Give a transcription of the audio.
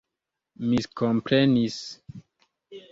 miskomprenis